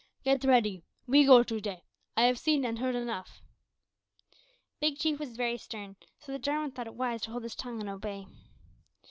"Get ready. We go to day. I have seen and heard enough." Big Chief was very stern, so that Jarwin thought it wise to hold his tongue and obey.